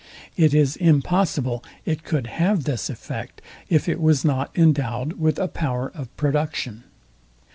It is impossible it could have this effect, if it was not endowed with a power of production.